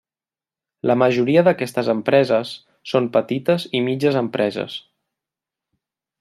La majoria d'aquestes empreses són petites i mitges empreses.